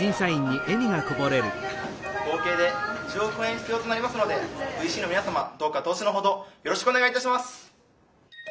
合計で１０億円必要となりますのでＶＣの皆様どうか投資のほどよろしくお願いいたします。